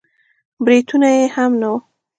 برېتونه يې هم نه وو.